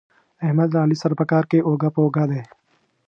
احمد له علي سره په کار کې اوږه په اوږه دی.